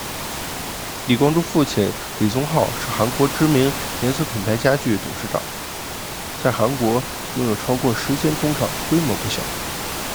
李光洙父亲李宗浩是韩国知名连锁品牌家具董事长在韩国拥有超过十间工厂规模不小。